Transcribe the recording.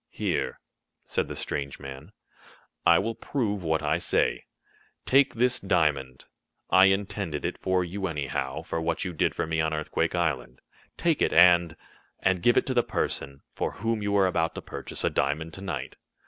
"Here," said the strange man, "I will prove what I say. Take this diamond. I intended it for you, anyhow, for what you did for me on Earthquake Island. Take it, and and give it to the person for whom you were about to purchase a diamond to night.